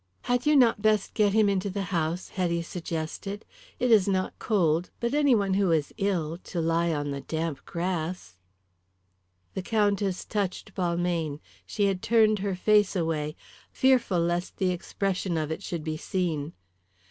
"Had you not best get him into the house?" Hetty suggested. "It is not cold, but any one who is ill, to lie on the damp grass " The Countess touched Balmayne. She had turned her face away, fearful lest the expression of it should be seen.